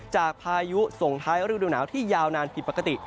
พายุส่งท้ายฤดูหนาวที่ยาวนานผิดปกติ